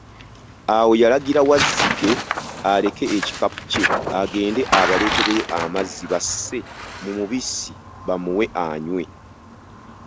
Awo yalagira Wazzike aleke ekikapu kye agende abaleetereyo amazzi basse mu mubisi bamuwe anywe.